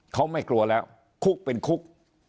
เขาไม่กลัวแล้วคุกเป็นคุก